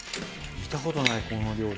見たことないこんな料理。